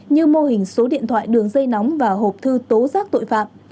như mô hình số điện thoại đường dây nóng và hộp thư tố giác tội phạm